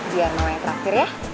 biar mau yang terakhir ya